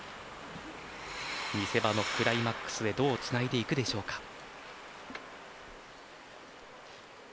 見せ場のクライマックスへどうつないでいくでしょうか。